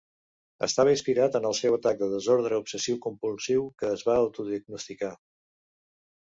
Estava inspirat en el seu atac de desordre obsessiu-compulsiu que es va autodiagnosticar.